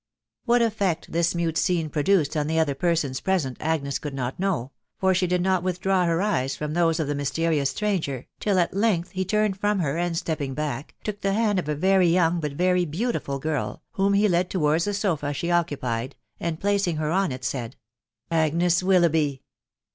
What effect this mute scene produced on the other persons present Agnes could not know ; for she did not withdraw her eyes from those pf the mysterious stranger, till at length be turned from her, and, stepping back, took the hand of a very young, but very beautiful girl, whom he led towards the sofa she occupied, and, placing her on it, said, —" Agnes Wjlloughby